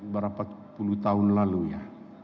berapa puluh tahun lalu ya